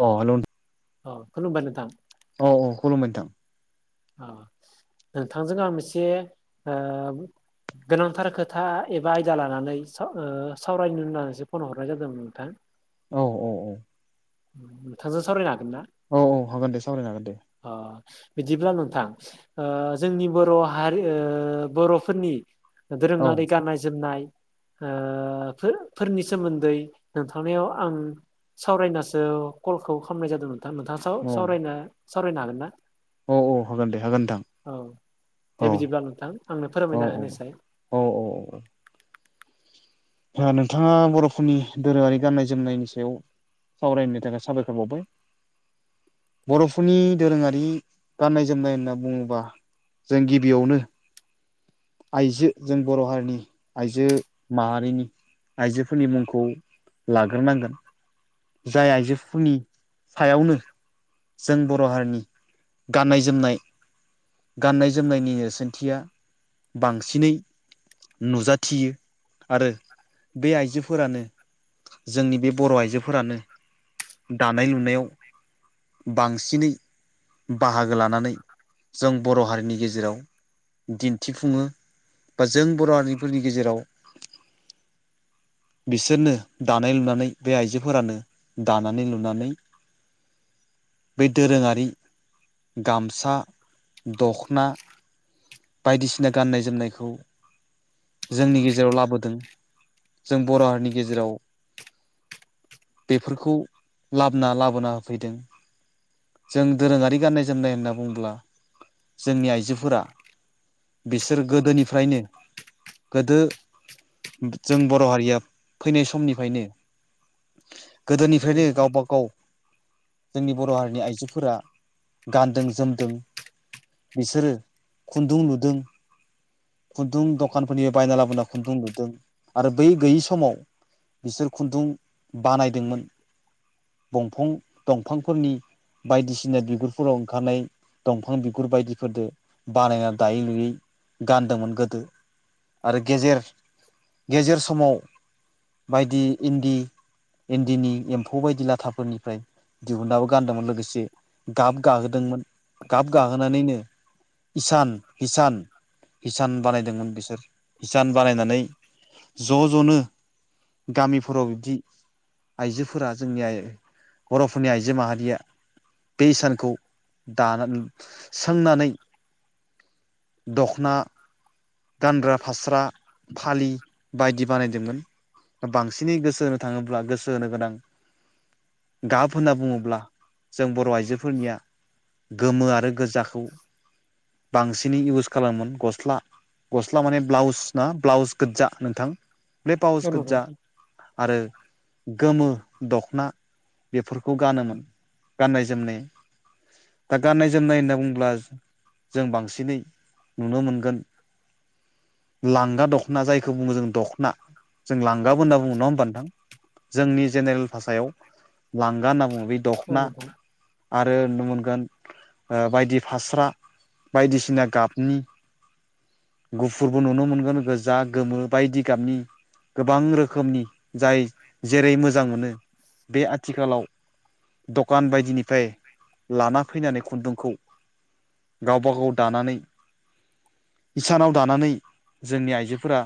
अ hello औ खुलुमबाय नोंथां औ औ खुलुमबाय नोंथां औ नोंथांजों आं एसे ओ गोनांथार खोथा एबा आयदा लानानै स ओ सावरायनो होननानैसो फन हरनाय जादोंमोन नोंथां। औ औ औ नोंथांजों सावरायनो हागोन ना? औ औ हागोन दे सावरायनो हागोन दे। अ बिदिब्ला नोंथां ओ जोंनि बर' हारि ओ बर'फोरनि औ दोरोङारि गाननाय जोमनाय ओ फोर फोरनि सोमोन्दै नोंथांनायाव आं सावरायनासो कलखौ खालामनाय जादों नोंथां नोंथां आ औ सावरायनो सावरायनो हागोना? औ औ हागोन दे हागोन नोंथां औ दे औ बिदिब्ला नोंथां आंनो औ फोरमायना होनोसै औ औ औ। नोंथाङा बर'फोरनि दोरोङारि गाननाय जोमनायनि सायाव सावरायनो थाखाय साबायखर बावबाय बर'फोरनि दोरोङारि गाननाय जोमनाय होनना बुङोब्ला जों गिबियावनो आइजो जों बर' हारिनि आइजो माहारिनि आइजोफोरनि मुंखौ लाग्रोनांगोन। जाय आइजोफोरनि सायावनो जों बर' हारिनि गाननाय जोमनाय गाननाय जोमनायनि नेरसोनथिया बांसिनै नुजाथियो आरो बे आइजोफोरानो जोंनि बे बर' आइजोफोरानो दानाय लुनायाव बांसिनै बाहागो लानानै जों बर' हारिनि गेजेराव दिन्थिफुङो बा जों बर' हारिफोरनि गेजेराव बिसोरनो दानाय लुनानै बे आइजोफोरानो दानानै लुनानै बे दोरोङारि गामसा दख'ना बायदिसिना गाननाय जोमनायखौ जोंनि गेजेराव लाबोदों जों बर' हारिनि गेजेराव बेफोरखौ लाबोना लाबोना होफैदों। जों दोरोङारि गाननाय जोमनाय होनना बुङोब्ला जोंनि आइजोफोरा बिसोर गोदोनिफ्रायनो गोदो जों बर' हारिया फैनाय समनिफ्रायनो औ गोदोनिफ्रायनो नोंथां। गावबा गाव जोंनि बर' हारिनि आइजोफोरा गानदों जोमदों। बिसोरो खुन्दुं लुदों खुन्दुं दखानफोरनि बायना लाबोना खुन्दुं लुदों आरो बै गैयि समाव बिसोर खुन्दुं बानायदोंमोन दंफं दंफांफोरनि बायदिसिना बिगुरफोराव ओंखारनाय दंफां बिगुर बायदिफोरजों बानायना दायै लुयै गानदोंमोन गोदो। आरो गेजेर गेजेर समाव बायदि इन्दि इन्दिनि एम्फौ बायदि लाथाफोरनिफ्राय दिहुननाबो गानदोंमोन लोगोसे गाब गाहोदोंमोन गाब गाहोनानैनो हिसान हिसान हिसान बानायदोंमोन बिसोर हिसान बानायनानै ज' ज'नो गामिफोराव बिदि आइजोफोरा जोंनि आइ बर'फोरनि आइजो माहारिया बे हिसानखौ दानानै सोंनानै दख'ना गानग्रा फास्रा फालि बायदि बानायदोंमोन बां सिनै गोसो होनो थाङोब्ला गोसो होनो गोनां गाब होनना बुङोब्ला जों बर' आइजोफोरनिया गोमो आरो गोजाखौ बांसिनै इउस खालामोमोन गस्ला गस्ला माने ब्लाउस ना ब्लाउस गोजा नोंथां बे ब्लाउस औ नोंथां गोज्जा आरो गोमो दख'ना बेफोरखौ गानोमोन गाननाय जोमनाय दा गाननाय जोमनाय होनना बुङोब्ला जों बांसिनै नुनो मोनगोन। लांगा दख'ना जायखौ बुङो जों दख'ना जों लांगाबो होनना बुङो नङा होमबा नोंथां? जोंनि जेनेरेल भाषायाव लांगा होनना बुङो बे औ दख'ना नोंथां आरो नुनो मोनगोन ओ बायदि फास्रा बायदिसिना गाबनि गुफुरबो नुनो मोनगोन गोजा गोमो बायदि गाबनि गोबां रोखोमनि जाय जेरै मोजां मोनो बे आथिखालाव दखान बायदिनिफ्राय लाना फैनानै खुन्दुंखौ गावबागाव दानानै इसानाव दानानै जोंनि आइजोफोरा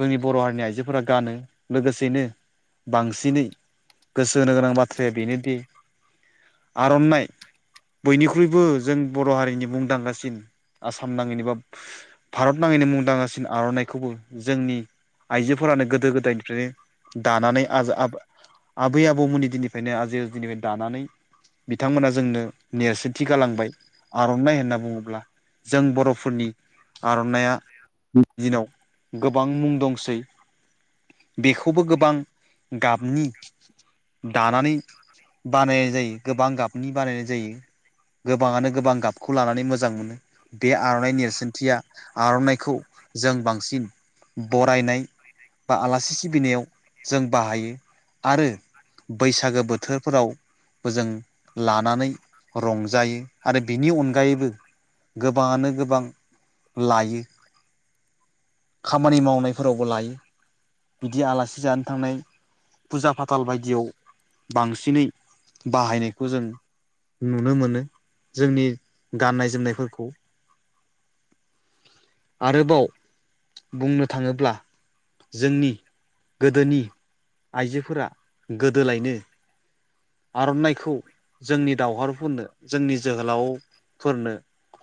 जोंनि बर' हारिनि आइजोफोरा गानो लोगोसेनो बांसिनै गोसो होनो गोनां बाथ्राया बेनोदि आर'नाइ बयनिख्रुइबो जों बर' हारिनि मुंदांखासिन आसाम नाङैनि बा भारत नाङैनो मुंदांखासिन आर'नाइखौबो जोंनि आइजोफोरानो गोदो गोदायनिफ्रायनो दानानै आजा आ आबै आबौमोननि दिननिफ्रायनो आजै आजौ दिनिफ्राय दानानै बिथांमोना जोंनो नेरसोनथि गालांबाय। आर'नाइ होनना बुङोब्ला जों बर'फोरनि आर'नायइआ दिनाव गोबां मुं दंसै। बेखौबो गोबां गाबनि दानानै बानायनाय जायो गोबां गाबनि बानायनाय जायो। गोबाङानो गोबां गाबखौ लानानै मोजां मोनो बे आर'नाइ नेरसोनथिया आर'नाइखौ जों बांसिन बरायनाय बा आलासि सिबिनायाव जों बाहायो आरो बैसागो बोथोरफोराव बो जों लानानै रंजायो आरो बिनि अनगायैबो गोबाङानो गोबां लायो खामानि मावनायफोरावबो लायो। बिदि आलासि जानो थांनाय फुजा फाथाल बायदियाव बांसिनै बाहायनायखौ जों नुनो मोनो। जोंनि गाननाय जोमनायफोरखौ आरोबाव बुंनो थाङोब्ला जोंनि गोदोनि आइजोफोरा गोदोलायनो आर'नाइखौ जोंनि दावहरफोरनो जोंनि जोहोलावफोरनो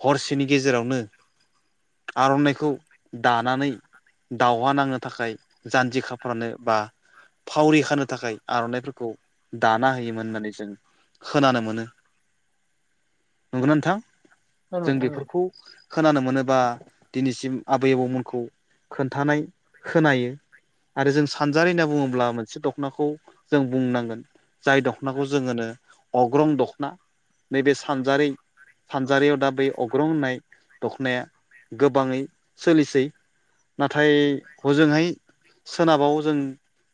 हरसेनि गेजेरावनो आर'नाइखौ दानानै दावहा नांनो थाखाय जान्जि खाफ्रानो बा फावरि खानो थाखाय आर'नाइफोरखौ दाना होयोमोन होननानै जों खोनानो मोनो। नंगौना नोंथां? औ जों नोंथां औ बेफोरखौ खोनानो मोनो बा दिनैसिम आबै आबौमोनखौ खोन्थानाय खोनायो। आरो जों सानजारि होनना बुङोब्ला मोनसे दख'नाखौ जों बुंनांगोन। जाय दख'नाखौ जोङो होनो अग्रं दख'ना। नैबे सानजारि सानजारियाव दा बै अग्रं होननाय दख'नाया गोबाङै सोलिसै नाथाय हजोंहाय सोनाबाव जों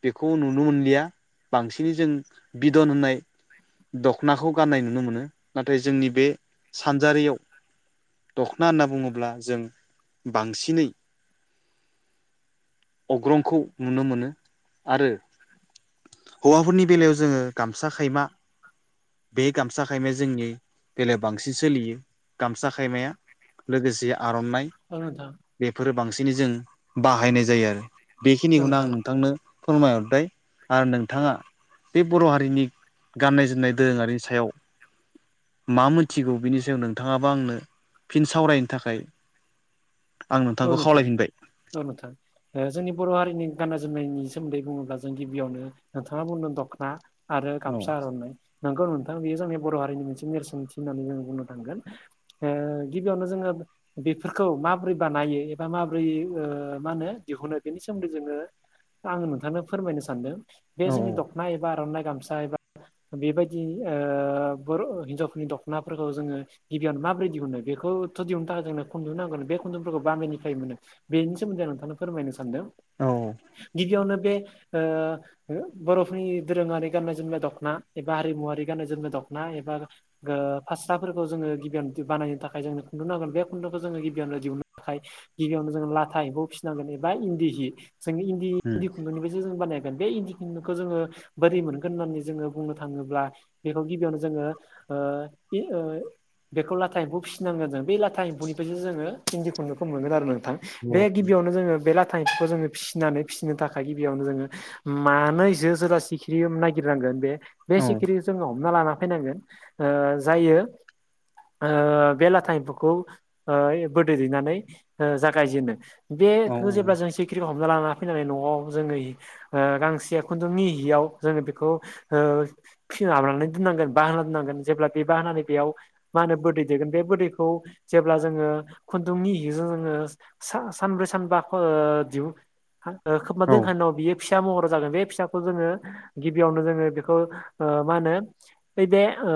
बेखौ नुनो मोनलिया बांसिनै जों बिदन होननाय दख'नाखौ गाननाय नुनो मोनो नाथाय जोंनि बे सानजारियाव दख'ना होनना बुङोब्ला जों बांसिनै अग्रंखौ नुनो मोनो आरो हौवाफोरनि बेलायाव जोङो गामसा खायमा बे गामसा खायमाया जोंनि बेलायाव बांसिन सोलियो गामसा खायमाया लोगोसे आर'नाइ। औ नोंथां। बेफोरो बांसिनै जों बाहायनाय जायो आरो। औ बेखिनिखौनो नोंथां आं औ नोंथांनो फोरमायहरबाय आरो नोंथाङा बे बर' हारिनि गाननाय जोमनाय दोरोङारिनि सायाव मा मोनथिगौ बिनि सायाव नोंथाङाबा आंनो फिन सावरायनो थाखाय आं औ नोंथांखौ नोंथां खावलायफिनबाय औ नोंथां। ओ जोंनि बर' हारिनि गाननाय जोमनायनि सोमोन्दै बुङोब्ला जों गिबियावनो नोंथाङा बुंदों दख'ना आरो औ गामसा आर'नाइ नोंगौ नोंथां बेयो जोंनि बर' हारिनि मोनसे नेरसोनथि होननानै जों बुंनो थांगोन। ओ गिबियावनो जोङो बेफोरखौ माबोरै बानायो एबा माब्रै ओ मा होनो दिहुनो बेनि सोमोन्दै जोङो। आङो नोंथांनो फोरमायनो सानदों बे औ जोंनि दख'ना एबा आर'नाइ गामसा एबा बेबायदि ओ बर' हिनजावफोरनि दख'नाफोरखौ जोङो गिबियावनो माबोरै दिहुननो? बेखौथ' दिहुन्नो थाखाय जोंनो खुनदु नांगोन बे खुुनदुंफोरखौ बामेनिफ्राय मोनो बेनि सोमोनदै नोंथांनो फोरमायनो सानदों। औ गिबियावनो बे ओ ओ बर'फोरनि दोरोङारि गाननाय जोमनाय दख'ना एबा हारिमुवारि गाननाय जोमनाय दख'ना एबा ओ फास्राफोरखौ जोङो गिबियावनो बानायनो थाखाय जोंनो खुन्दुं नांगोन। बे खुन्दुंखौ जोङो गिबियावनो दिहुननो थाखाय गिबियावनो जोंङो लाथा एम्फौ फिसिनांगोन एबा इन्दि हि। जोंनि इन्दि इन्दि खुन्दुंनिफ्रायसो जों बानायगोन। बे इन्दि खुनदुखौ जोङो बोरै मोनगोन होननानै जोङो बुंनो थाङोब्ला बेखौ गिबियावनो जोङो ओ इ ओ बेखौ लाथा एम्फौ फिसिनांगोन जों। बे लाथा एम्फौनिफ्रायसो जोङो इन्दि खुनदुंखौ मोनगोन आरो नोंथां। बे गिबियावनो जोंङो बे लाथ थायफखौ जोङो फिसनानै फिसिनो थाखाय गिबियावनो जोङो मानै जों जोला सिखिरि नागिरनांगोन। बे बे औ सिखिरि जों हमना लाना फायनांगोन ओ जायो‌ ओ बे लाथा एम्फौखौ ओ‌ एफ बोदै दैनानै ओ जागायजेनो औ बेखो जेब्ला जों सिख खिरिखौ हमना लाना फैनानै न'आव जोङो‌ हि ओ गांसे खुन्दुंनि हियाव जोङो बेखौ ओ फिनो हाबनानै दोननांगोन बा होना दोननांगोन। जेब्ला बेबा होनानै बेयाव मा होनो बोदै दैगोन बे बोदैखौ जेब्ला जोङो खुन्दुंनि हिजों जोङो सा-सानब्रै सानबा ख' आरो ओ दिउ खां ओ खोबना दोनखांनायनि उनाव बियो। फिसा महराव जागोन। बे फिसाखौ जोङो गिबियावनो जोङो बेखौ ओ मा होनो बै बे ओ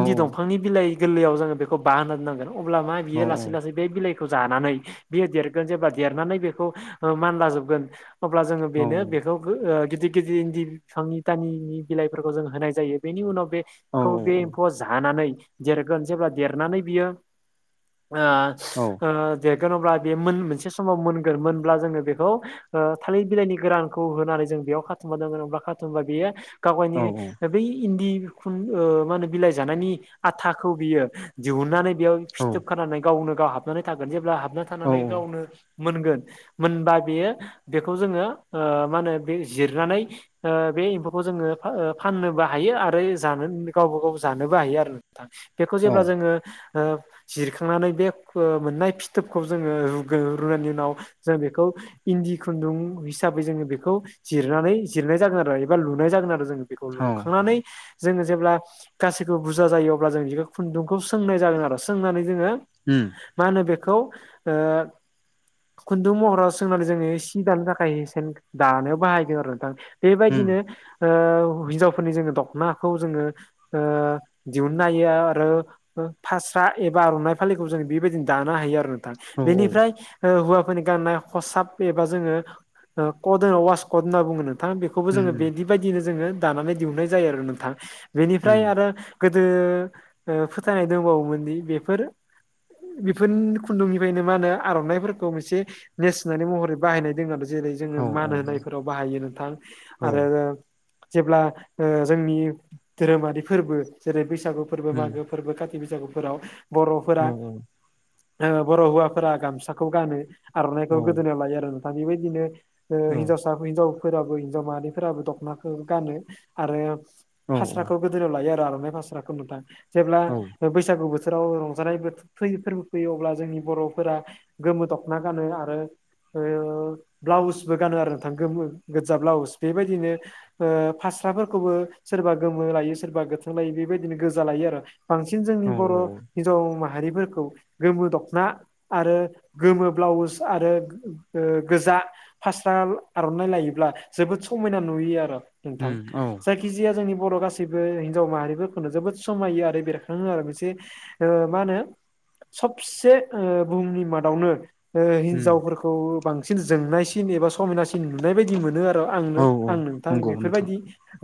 औ दंफांनि बिलाइ गोरलैयाव जोङो बेखौ बा होना दोननांगोन। अब्ला मा बियो औ लासै लासै बिलायखौ जानानै बियो देरगोन। जेब्ला देरनानै बेखौ ओ मानला जोबगोन‌ अब्ला जोङो बेनो बेखौ गो ओ गिदिर गिदिर इन्दि बिफांनि दानिनि बिलाइफोरखौ जों होनाय जायो। बेनि उनाव बेखौ बे एम्फौआ जानानै देरगोन जेब्ला देरनानै बियो ओ औ ओ देरगोन अब्ला बे मोन मोनसे समाव मोनगोन मोनब्ला जोङो बेखौ ओ थालिर बिलाइनि गोरानखौ होनानै जों बेयाव खाथुमदों हा खाथुमबा बेयो गाव गायनि ओ बै इन्दि खुन ओ मा होनो बिलाइ जानायनि आथाखौ बियो दिहुननानै बेयाव फिथोब खानानै गावनो गाव हाबनानै थागोन। जेब्ला हाबना थानानै गावनो मोनगोन मोनबा बेयो बेखौ जोङो ओ मा होनो बे जिरनानै ओ बे एम्फौखौ जोङो फा-फाननोबो हायो आरो जानो गावबा गाव जानोबो हायो आरो। बेखौ जेब्ला जोङो ओ जिरखांनानै बे खो मोननाय फिथोबखौ जोङो रुगोन रुनायनि उनाव जों बेखौ इन्दि खुन्दुं हिसाबै जोङो बेखौ जिरनानै जिरनाय जागोन आरो एबा लुनाय जागोन आरो जोङो। बेखौ औ लुखांनानै जोङो जेब्ला गासैखौबो बुरजा जायो। अब्ला जों बिखौ खुन्दुंखौ सोंनाय जागोन आरो। सोंनानै जोङो उम मा होनो बेखौ ओ खुन्दुं महराव सोंनानै जोङो सि दानो थाखाय सेन दानायाव बाहायदों आरो नोंथां। उम बेबायदिनो ओ हिनजावफोरनि जोङो दख'नाखौ जोङो ओ दिहुननो हायो। आरो ओ फास्रा एबा आर'नाइ फालि जों बेबायदिनो दानो हायो आरो नोंथां औ बेनिफ्राय ओ हौवा नि गाननाय खसाब एबा जोङो ओ कड होनो वास कड होनना बुङो थां बेखौबो जोङो उम बिदि बायदिनो जोङो दानानै दिहुननाय जायो आरो नोंथां। उम बेनिफ्राय आरो गोदो ओ फोथायनाय दंबावोमोन दि बेफोर बेफोरनि खुन्दुंनिफ्रायनो मा होनो आर'नाइफोरखौ मोनसे नेरसोनारि महरै बाहायनाय दङ आरो जेरै जोङो औ मान औ होनायफोराव बाहायो नोंथां औ आरो जेब्ला ओ जोंनि धोरोमारि फोरबो जेरै बैसागु फोरबो उम मागो फोरबो काति बैसागुफोराव औ बर'फोरा ओ बर' हौवाफोरा गामसाखौ गानो औ आर'नाइखौ गोदोनायाव लायो आरो नोंथांनि बेबायदिनो ओ औ हिनजावसा हिन्जावफोराबो हिन्जाव माहारिफोराबो दख'नाखौ गानो आरो औ फास्राखौ गोदोनायाव लायो आर आर'नाइ फास्राखौ नोंथां जेब्ला औ बे बैसागु बोथोराव रंजानाय बो फैयो फोरबो फैयो अब्ला जोंनि बर'फोरा गोमो दख'ना गानो आरो ओ ब्लाउसबो गानो आरो नोंथां गोमो गोजा ब्लाउस बेबायदिनो ओ फास्राफोरखौबो सोरबा गोमो लायो सोरबा गोथां लायो बेबायदिनो गोजा लायो आरो बांसिन जोंनि औ बर' औ हिनजाव माहारिफोर खौ गोमो दख'ना आरो गोमो ब्लाउस आरो ओ गोजा फास्रा आर'नाइ लायोब्ला जोबोद समायना नुयो आरो नोंथां जायखि जिया जोंनि बर' गासैबो हिनजाव माहारिफोरखौनो जोबोद समायो आरो बेरखाङो आरो मोनसे ओ मा होनो सबसे ओ बुहुमनि मादावनो ओ उम हिनजावफोर खौ बांसिन जोंनायसिन एबा समायनासिन नुनाय बायदि मोनो आर आंनो औ औ आं नोंथां नंगौ नोंथां बेफोरबायदि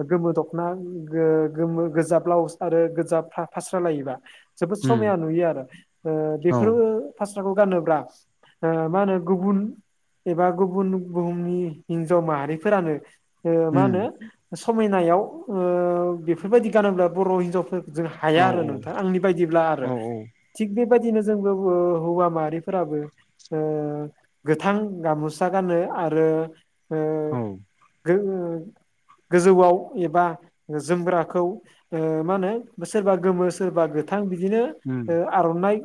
गोमो दख'ना गो-गोमो गोजा ब्लाउस आरो गोजा फा-फास्रा लायोबा जोबोद उम समायना नुयो आरो ओ औ बेफोरो फास्राखौ गानोब्ला ओ मा होनो गुबुन एबा गुबुन बुहुमनि हिन्जाव माहारिफोरानो ओ मा उम होनो समायनायाव ओ बेफोरबायदि गानोब्ला बर' हिनजावफोर जों औ हाया आरो नोंथां आंनि बायदिब्ला आरो औ औ थिग बेबायदिनो जोंबो ओ हौवा माहारिफोराबो ओ गोथां गाम'सा गानो आरो उम औ गो-गोजौआव एबा जोमग्राखौ ओ मा होनो सोरबा गोमो सोरबा गोथां बिदिनो उम ओ आर'नाइ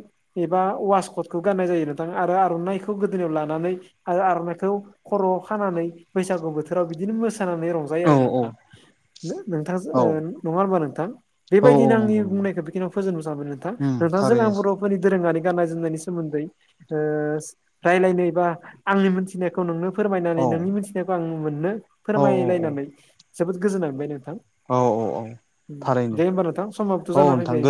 एबा वासकटखौ गाननाय जायो नोंथां आरो आर'नाइखौ गोदोनायाव लानानै आरो आर'नाइखौ खर' खानानै बैसागु बोथोराव बिदिनो मोसानानै रंजायो औ आरो नोंथां। ओ नोंथांजो औ ओ नङा होमबा नोंथां बेबायदिनो औ आंनि नंगौ नंगौ बुंनायखौ बेखिनियाव फोजोबनो सानबाय नोंथां उम नोंथां जों आं थारैनो बर' फोरनि दोरोङारि गाननाय जोमनायनि सोमोन्दै ओ रायलायनो एबा आंनि मोन थिनायखौ नोंनो फोरमायनानै औ नोंनि मिथिनायखौ आं मोननो औ औ फोरमायलायनानै जोबोद गोजोनांबाय नोंथां औ औ औ थारैनो दे होमबा नोंथां समाबोथ' औ जाना नोंथां फैबाय